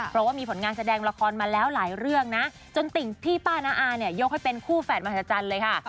เพราะว่ามีผลงานแสดงละครมาแล้วหลายเรื่องนะจนติ่งพี่ป้าน้าอาเนี่ยยกให้เป็นคู่แฝดมหัศจรรย์เลยค่ะ